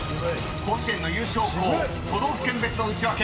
［甲子園の優勝校都道府県別のウチワケ］